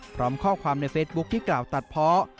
พร้อมข้อความในเฟซบุ๊คที่กล่าวตัดเพาะ